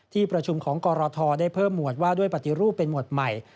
ที่ประชุมของกรทได้เพิ่มหวดว่าด้วยปฏิรูปเป็นหมวดใหม่